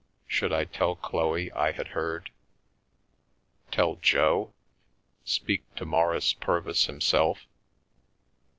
Should I tell Chloe I had heard? T Jo? Speak to Maurice Purvis himself?